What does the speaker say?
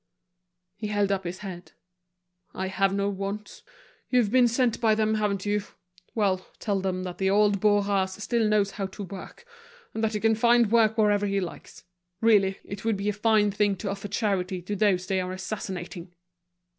He held up his head. "I have no wants. You've been sent by them, haven't you? Well, tell them that old Bourras still knows how to work, and that he can find work wherever he likes. Really, it would be a fine thing to offer charity to those they are assassinating!"